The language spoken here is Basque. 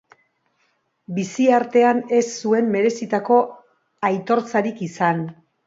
Bizi artean ez zuen merezitako aitortzarik izan.